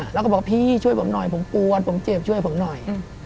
แล้วก็บอกพี่ช่วยผมหน่อยผมกวนผมเจ็บช่วยผมหน่อย